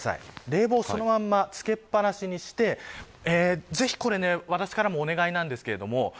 冷房はそのまま、つけっぱなしにしてぜひ、私からもお願いです。